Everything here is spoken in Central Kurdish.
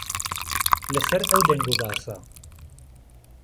له سهر ئهو دهنگ و باسه